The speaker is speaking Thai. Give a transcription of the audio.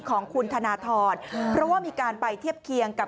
ของคุณธนทรเพราะว่ามีการไปเทียบเคียงกับ